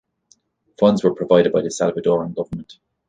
Funds were provided by the Salvadoran government.